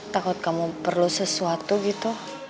takut kamu perlu sesuatu gitu